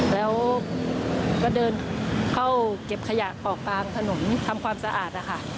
แล้วก็เดินเข้าเก็บขยะออกกลางถนนทำความสะอาดนะคะ